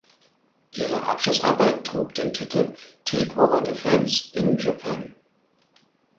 Ihre Abschlussarbeit trug den Titel „Takeover Defense in Japan“.